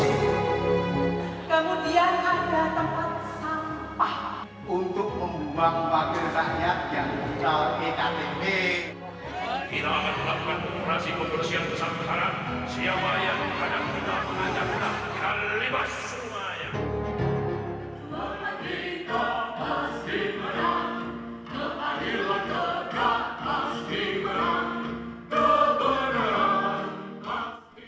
kita akan melakukan operasi pembersihan besar besaran siapa yang tanyakan kita mengajaknya kalian harus semayang